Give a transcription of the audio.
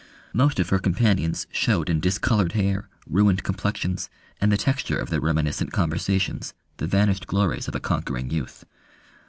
Most of her companions showed in discoloured hair, ruined complexions, and the texture of their reminiscent conversations, the vanished glories of a conquering youth.